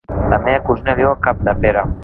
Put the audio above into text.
La meva cosina viu a Capdepera.